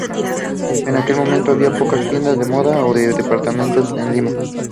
En aquel momento habían pocas tiendas de moda o de departamentos en Lima.